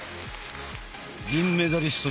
銀メダリスト